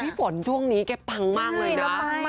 พิฝนจุ้องนี้แกปังมากเลยนะ